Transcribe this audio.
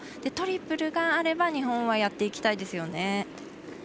トリプルがあれば日本はやっていきたいですよね。